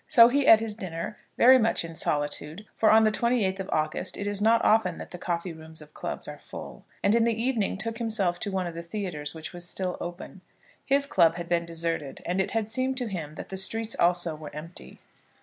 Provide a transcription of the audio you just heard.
So he eat his dinner, very much in solitude, for on the 28th of August it is not often that the coffee rooms of clubs are full, and in the evening took himself to one of the theatres which was still open. His club had been deserted, and it had seemed to him that the streets also were empty.